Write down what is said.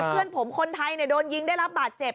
เพื่อนผมคนไทยโดนยิงได้รับบาดเจ็บ